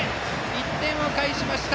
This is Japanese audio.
１点を返しました